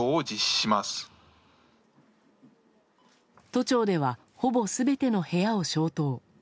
都庁ではほぼ全ての部屋を消灯。